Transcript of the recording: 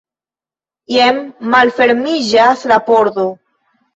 Jen malfermiĝas la pordo.